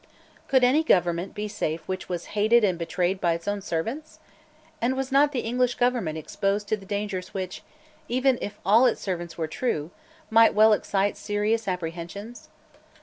Could any government be safe which was hated and betrayed by its own servants? And was not the English government exposed to the dangers which, even if all its servants were true, might well excite serious apprehensions?